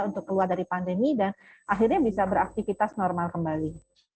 untuk keluar dari pandemi dan akhirnya bisa beraktivitas normal kembali